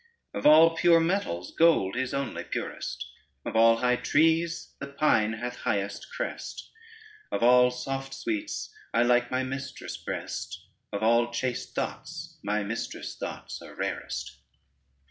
Of all pure metals gold is only purest, Of all high trees the pine hath highest crest, Of all soft sweets I like my mistress' breast, Of all chaste thoughts my mistress' thoughts are rarest.